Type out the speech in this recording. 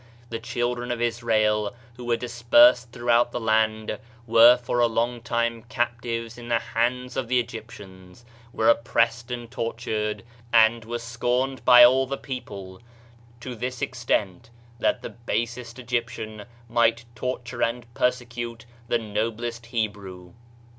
The children of Israel, who were dispersed through the land, were for a long time captives in the hands of the Egyptians, were oppressed and tortured, and were scorned by all the people ; to this extent that the basest Egyptian might torture and persecute the noblest Hebrew.